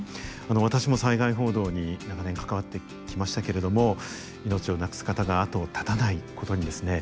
私も災害報道に長年関わってきましたけれども命をなくす方が後を絶たないことにですね